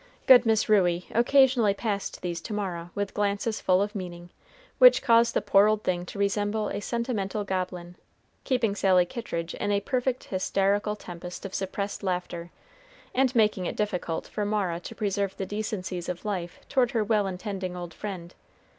Good Miss Ruey occasionally passed these to Mara, with glances full of meaning, which caused the poor old thing to resemble a sentimental goblin, keeping Sally Kittridge in a perfect hysterical tempest of suppressed laughter, and making it difficult for Mara to preserve the decencies of life toward her well intending old friend.